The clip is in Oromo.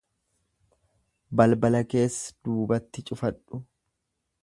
Balbala kees duubatti cufadhu.